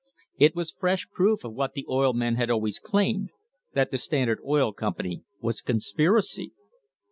It was fresh proof of what the oil men had always claimed, that the Standard Oil Company was a conspiracy!